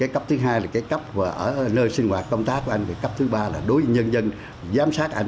cấp thứ hai là cấp ở nơi sinh hoạt công tác của anh cấp thứ ba là đối với nhân dân giám sát anh